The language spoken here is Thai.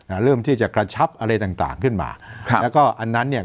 อ่าเริ่มที่จะกระชับอะไรต่างต่างขึ้นมาครับแล้วก็อันนั้นเนี่ย